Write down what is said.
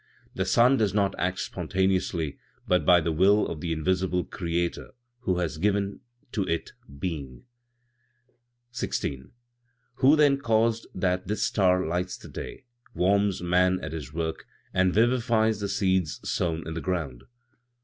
The sun does not act spontaneously, but by the will of the invisible Creator, who has given to it being." 16. "Who, then, has caused that this star lights the day, warms man at his work and vivifies the seeds sown in the ground?"